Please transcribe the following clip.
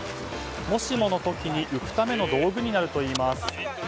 もしもの時に浮くための道具になるといいます。